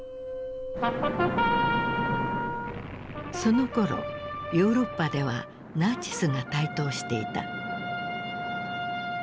そのころヨーロッパではナチスが台頭していた。